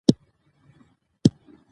که څه هم ترخه وي.